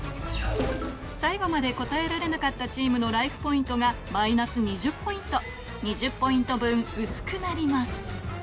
最後まで答えられなかったチームのライフポイントがマイナス２０ポイント２０ポイント分うすくなります